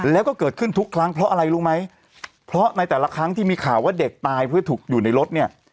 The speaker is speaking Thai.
แล้วก็เกิดขึ้นทุกครั้งเพราะอะไรรู้ไหมเพราะในแต่ละครั้งที่มีข่าวว่าเด็กตายเพื่อถูกอยู่ในรถเนี่ย